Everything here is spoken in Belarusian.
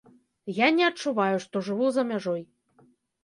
Я не адчуваю, што жыву за мяжой.